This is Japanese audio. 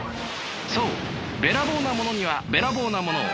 そうべらぼうなものにはべらぼうなものを。